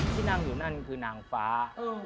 ที่นั่งอยู่นั่นคือนางฟ้า